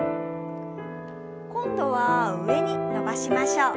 今度は上に伸ばしましょう。